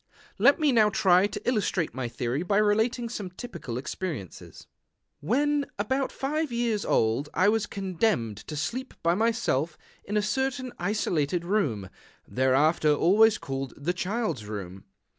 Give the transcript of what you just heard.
Let me now try to illustrate my theory by relating some typical experiences. II When about five years old I was condemned to sleep by myself in a certain isolated room, thereafter always called the Child's Room.